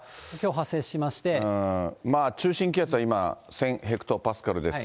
まあ中心気圧は今、１０００ヘクトパスカルです。